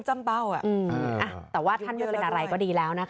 แต่ว่าท่านไม่เป็นอะไรก็ดีแล้วนะคะ